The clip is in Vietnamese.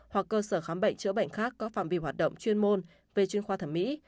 hoặc cơ sở khám bệnh chữa bệnh khác có phạm vi hoạt động chuyên môn về chuyên khoa thẩm mỹ